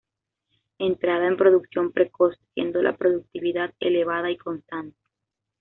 Entrada en producción precoz, siendo la productividad elevada y constante.